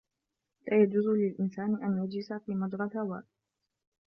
لَا يَجُوزُ لِلْإِنْسانِ أَنْ يَجْلِسَ فِي مَجْرى الْهَوَاءِ.